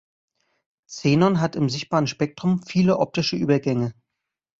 Xenon hat im sichtbaren Spektrum viele optische Übergänge.